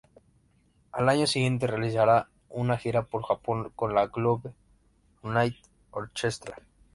Al año siguiente, realizará una gira por Japón con la Globe Unity Orchestra.